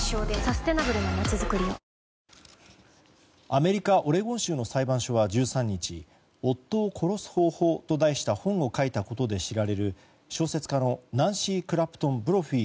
アメリカ・オレゴン州の裁判所は１３日「夫を殺す方法」と題した本を書いたことで知られる小説家のナンシー・クラプトン・ブロフィ